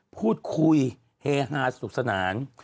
พูดคุยเฮฮาสนุกสนาน